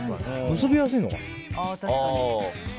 結びやすいのかな。